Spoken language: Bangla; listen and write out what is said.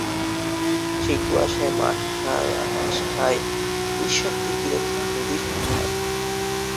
সেই কুয়াশায় মাঠ খায়, আকাশ খায়, নিঃশব্দে গিলে খায় নদীর ফেরিঘাট।